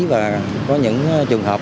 và có những trường hợp